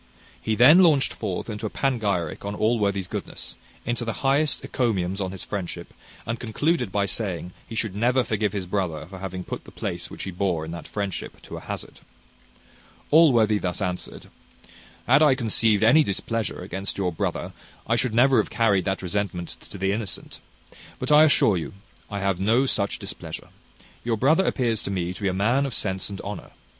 He then launched forth into a panegyric on Allworthy's goodness; into the highest encomiums on his friendship; and concluded by saying, he should never forgive his brother for having put the place which he bore in that friendship to a hazard. Allworthy thus answered: "Had I conceived any displeasure against your brother, I should never have carried that resentment to the innocent: but I assure you I have no such displeasure. Your brother appears to me to be a man of sense and honour.